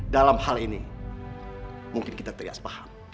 dalam hal ini mungkin kita teriak sepaham